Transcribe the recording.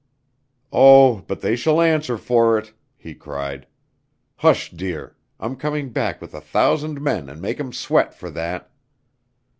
"Oh, but they shall answer for it!" he cried. "Hush, dear. I'm coming back with a thousand men and make 'em sweat for that."